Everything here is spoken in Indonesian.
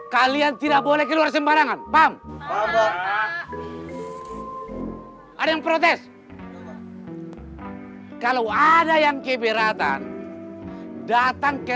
kalian tidak boleh keluar sembarangan pam ada yang protes kalau ada yang keberatan datang ke